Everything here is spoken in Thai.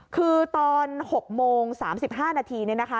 คือตอน๖โมง๓๕นาทีเนี่ยนะคะ